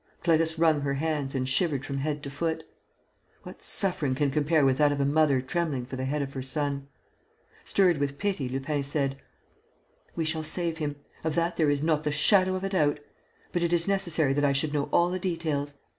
Clarisse wrung her hands and shivered from head to foot. What suffering can compare with that of a mother trembling for the head of her son? Stirred with pity, Lupin said: "We shall save him. Of that there is not the shadow of a doubt. But, it is necessary that I should know all the details.